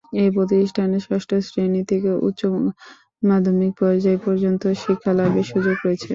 এ প্রতিষ্ঠানে ষষ্ঠ শ্রেণী থেকে উচ্চ মাধ্যমিক পর্যায় পর্যন্ত শিক্ষালাভের সুযোগ রয়েছে।